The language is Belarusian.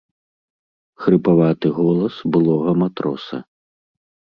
Хрыпаваты голас былога матроса.